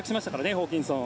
ホーキンソン。